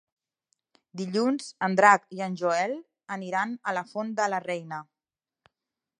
Dilluns en Drac i en Joel aniran a la Font de la Reina.